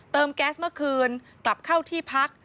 แก๊สเมื่อคืนกลับเข้าที่พัก